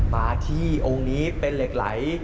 มาที่องค์นี้เป็นเหล็กไหล